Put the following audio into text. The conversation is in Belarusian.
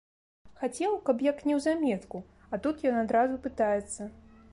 Хацеў, каб як неўзаметку, а тут ён адразу пытаецца.